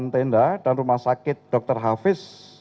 delapan tenda dan rumah sakit dr hafiz